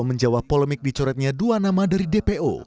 menjawab polemik dicoretnya dua nama dari dpo